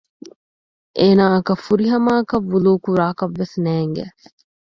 އޭނާއަކަށް ފުރިހަމައަކަށް ވުޟޫ ކުރާކަށްވެސް ނޭގެ